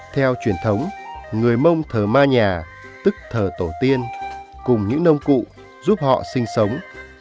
theo truyền thống người mông thờ ma nhà tức thờ tổ tiên cùng những nông cụ giúp họ sinh sống